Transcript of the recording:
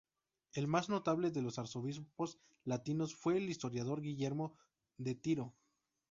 El más notable de los arzobispos latinos fue el historiador Guillermo de Tiro.